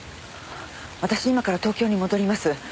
私今から東京に戻ります。